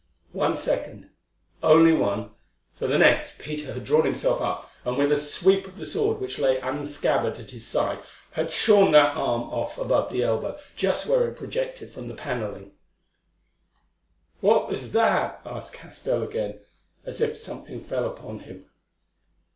One second—only one—for the next Peter had drawn himself up, and with a sweep of the sword which lay unscabbarded at his side, had shorn that arm off above the elbow, just where it projected from the panelling. "What was that?" asked Castell again, as something fell upon him.